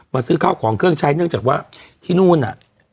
ซื้อข้าวของเครื่องใช้เนื่องจากว่าที่นู่นน่ะ